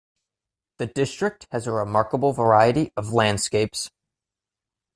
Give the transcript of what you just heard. The district has a remarkable variety of landscapes.